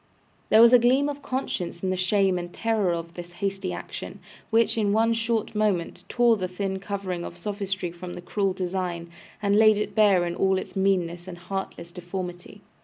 There was a gleam of conscience in the shame and terror of this hasty action, which, in one short moment, tore the thin covering of sophistry from the cruel design, and laid it bare in all its meanness and heartless deformity.